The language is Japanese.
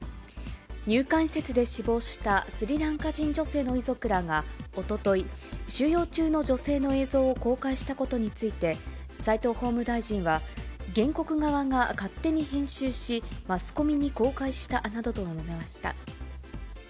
入管施設で死亡した、スリランカ人女性の遺族らがおととい、収容中の女性の映像を公開したことについて、斎藤法務大臣は、原告側が勝手に編集しマスコミに公開したなどと述べました。